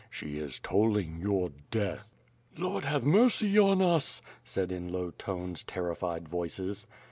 She is tolling your death." "Lord have mercy on us," said in low tones terrified voices.